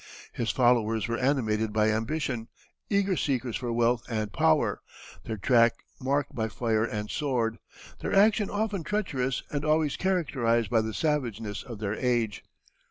His followers were animated by ambition, eager seekers for wealth and power, their track marked by fire and sword, their action often treacherous and always characterized by the savageness of their age.